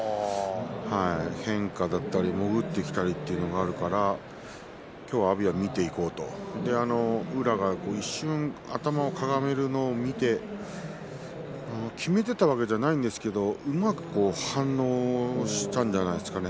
変化だったり潜ってくるというのがあるから今日は阿炎が見ていこうと宇良が一瞬、頭を固めるのを見て決めていたわけではないんですけれどうまく反応したんじゃないですかね。